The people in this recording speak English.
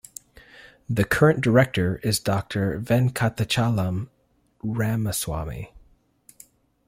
The current director is Doctor Venkatachalam Ramaswamy.